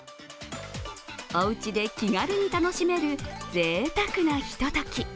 お家で気軽に楽しめるぜいたくなひととき。